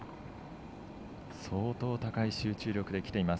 相当高い集中力できています